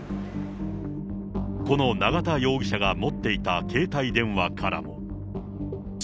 この永田容疑者が持っていた携帯電話からも。